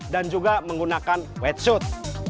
dan juga menggunakan wetsuit